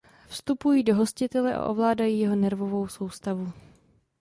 Vstupují do hostitele a ovládají jeho nervovou soustavu.